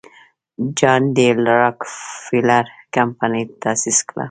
جان ډي راکلفیلر کمپنۍ تاسیس کړه.